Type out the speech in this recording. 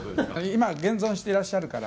今、現存していらっしゃるから。